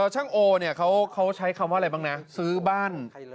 ช่างโอเนี่ยเขาใช้คำว่าอะไรบ้างนะซื้อบ้าน